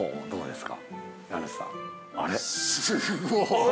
すごい！